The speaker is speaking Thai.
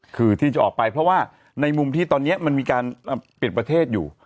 คือที่จะออกไปเพราะว่าในมุมที่ตอนนี้มันมีการปิดประเทศอยู่